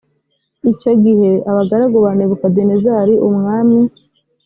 icyo gihe abagaragu ba nebukadinezari umwami